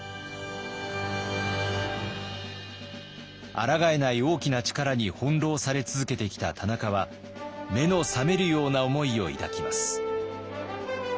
あらがえない大きな力に翻弄され続けてきた田中は目の覚めるような思いを抱きます。